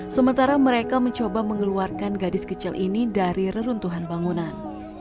sementara mereka mencoba mengeluarkan gadis kecil ini dari reruntuhan bangunan